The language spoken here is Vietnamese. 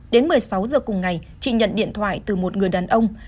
đến một mươi sáu giờ cùng ngày chị nhận điện thoại từ một người đàn ông